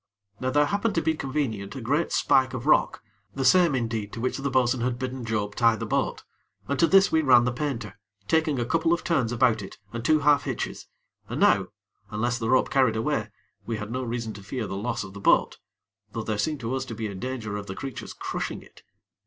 Now there happened to be convenient a great spike of rock, the same, indeed, to which the bo'sun had bidden Job tie the boat, and to this we ran the painter, taking a couple of turns about it and two half hitches, and now, unless the rope carried away, we had no reason to fear the loss of the boat; though there seemed to us to be a danger of the creature's crushing it.